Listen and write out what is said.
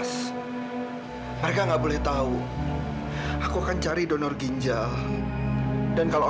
sampai jumpa di video selanjutnya